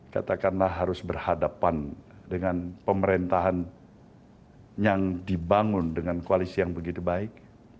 katakanlah harus berhadapan dengan pemerintahan yang dibangun dengan koalisi yang begitu baik